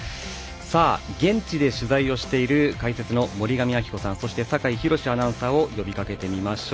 現地で取材をしている解説の森上亜希子さんとそして、酒井博司アナウンサーを呼びかけてみましょう。